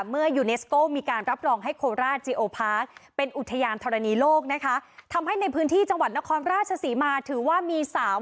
เมื่อยูเนสโก้มีการรับรองให้โคราชจิโอพาร์คเป็นอุทยานธรณีโลกนะคะทำให้ในพื้นที่จังหวัดนครราชศรีมาถือว่ามีสาว